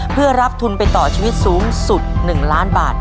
เพื่อรับทุนไปต่อชีวิตสูงสุด๑ล้านบาท